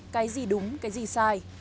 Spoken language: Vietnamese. cái gì đúng cái gì sai